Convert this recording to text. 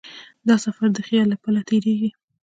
دا سفر د خیال له پله تېرېږي.